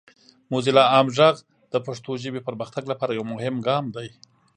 موزیلا عام غږ د پښتو ژبې پرمختګ لپاره یو مهم ګام دی.